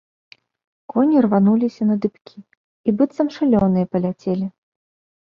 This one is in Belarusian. Коні рвануліся на дыбкі і быццам шалёныя паляцелі.